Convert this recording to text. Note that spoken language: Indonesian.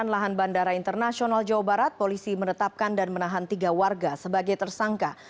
lahan bandara internasional jawa barat polisi menetapkan dan menahan tiga warga sebagai tersangka